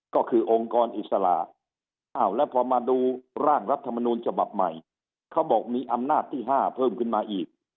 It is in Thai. ก็คือองค์กรอิสระแล้วพอมาดูร่างรัฐมนูลฉบับใหม่เขาบอกมีอำนาจที่๕เพิ่มขึ้นมาอีก